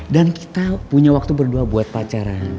dan kita punya waktu berdua buat pacaran